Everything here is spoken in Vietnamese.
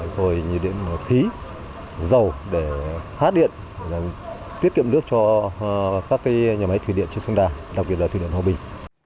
rồi nhiệt điện khí dầu để phát điện tiết kiệm nước cho các nhà máy thủy điện trên sông đà đặc biệt là thủy điện hòa bình